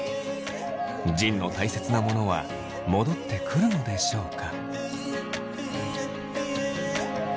仁のたいせつなものは戻ってくるのでしょうか。